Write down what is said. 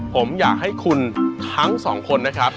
ผมอยากให้คุณทั้งสองคนนะครับ